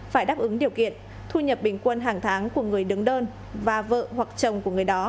phải đáp ứng điều kiện thu nhập bình quân hàng tháng của người đứng đơn và vợ hoặc chồng của người đó